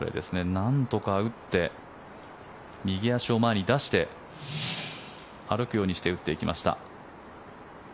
なんとか打って右足を前に出して歩くように打っていきました。